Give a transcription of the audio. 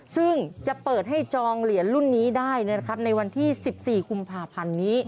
ซึ่งจะเปิดให้จองเหรียญรุ่นนี้ได้ในวันที่๑๔กุมภาพันธ์นี้